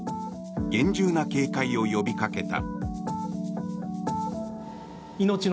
厳重な警戒を呼びかけた。